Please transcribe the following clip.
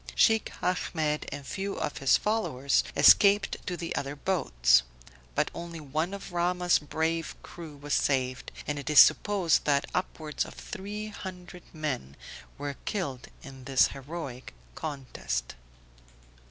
Sheikh Ahmed and few of his followers escaped to the other boats; but only one of Rahmah's brave crew was saved; and it is supposed that upwards of three hundred men were killed in this heroic contest.